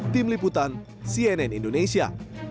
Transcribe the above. tim liputan cnn indonesia